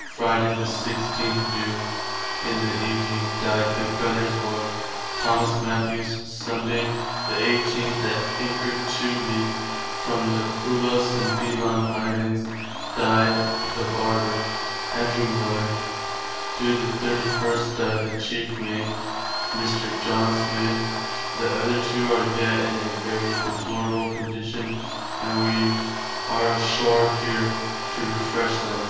Friday the 16th do. in the evening dyed the Gunner's boy, Thomas Matthews. Sunday the 18th at anchor two leagues from the Pillo Sumbelong [Pulo Sembîlan] Islands dyed the Barber, Andrew Miller. Do. the 31st dyed the Cheife Mate, Mr. John Smith. The other two are yet in a very deplorable condition and wee are ashore here to refresh them....